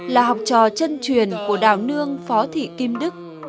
là học trò chân truyền của đảo nương phó thị kim đức